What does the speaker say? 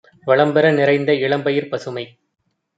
வளம்பெற நிறைந்த இளம்பயிர்ப் பசுமை